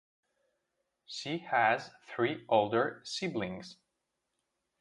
She has three older siblings.